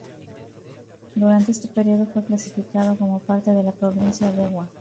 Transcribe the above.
Durante este periodo, fue clasificado como parte de la provincia Dewa.